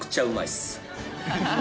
うまい。